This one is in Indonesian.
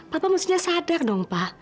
papa mesti sadar dong pa